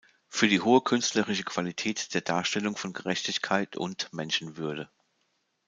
Für die hohe künstlerische Qualität der Darstellung von Gerechtigkeit und Menschenwürde.